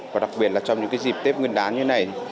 và đặc biệt là trong những dịp tết nguyên đán như này